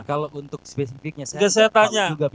kalau untuk spesifiknya saya saya tanya